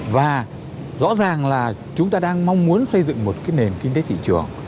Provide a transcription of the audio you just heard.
và rõ ràng là chúng ta đang mong muốn xây dựng một cái nền kinh tế thị trường